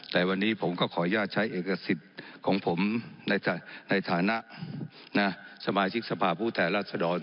แต่วันนี้ผมก็ขออนุญาตใช้เอกสิทธิ์ของผมในฐานะสมาชิกสภาพผู้แทนรัศดร